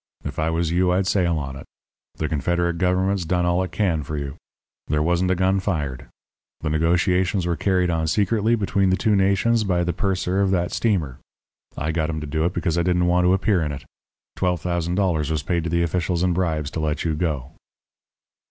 If I was you, I'd sail on it. The Confederate Government's done all it can for you. There wasn't a gun fired. The negotiations were carried on secretly between the two nations by the purser of that steamer. I got him to do it because I didn't want to appear in it. Twelve thousand dollars was paid to the officials in bribes to let you go.'